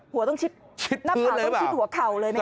หัวต้องชิดหน้าผ่าต้องชิดหัวเข่าเลยนะครับโอ้โฮชิดพื้นเลยหรือเปล่า